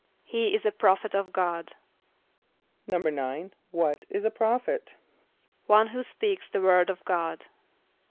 ="He is a prophet of God."= =9.= What is a prophet? =One who speaks the word of God.